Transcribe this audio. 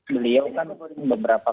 beliau kan beberapa